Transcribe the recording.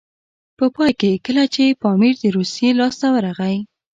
په پای کې کله چې پامیر د روسیې لاسته ورغی.